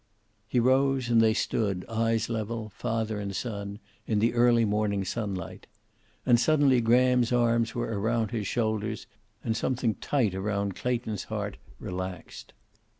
He rose, and they stood, eyes level, father and son, in the early morning sunlight. And suddenly Graham's arms were around his shoulders, and something tight around Clayton's heart relaxed.